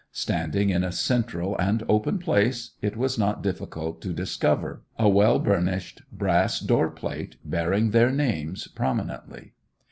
Standing in a central and open place it was not difficult to discover, a well burnished brass doorplate bearing their names prominently.